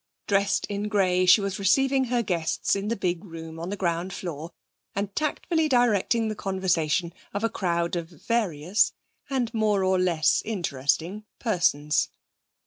Dressed in grey, she was receiving her guests in the big room on the ground floor, and tactfully directing the conversation of a crowd of various and more or less interesting persons.